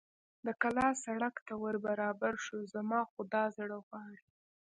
د کلا سړک ته ور برابر شو، زما خو دا زړه غواړي.